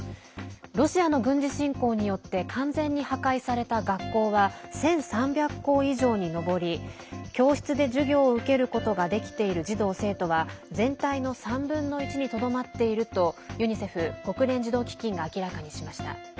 ロシアの軍事侵攻によって完全に破壊された学校は１３００校以上に上り教室で授業を受けることができている児童生徒は全体の３分の１にとどまっているとユニセフ＝国連児童基金が明らかにしました。